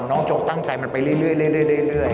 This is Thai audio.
น้องจงตั้งใจมันไปเรื่อย